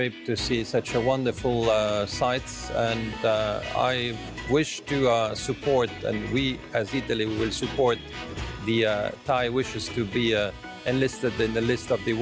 โปรดติดตามตอนต่อไป